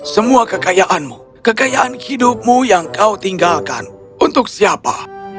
semua kekayaanmu kekayaan hidupmu yang kau tinggalkan untuk siapa